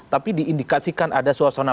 tapi diindikasikan ada suasana